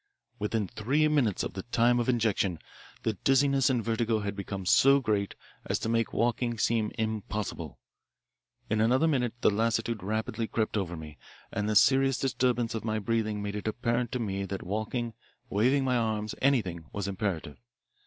"Within three minutes of the time of injection the dizziness and vertigo had become so great as to make walking seem impossible. In another minute the lassitude rapidly crept over me, and the serious disturbance of my breathing made it apparent to me that walking, waving my arms, anything, was imperative.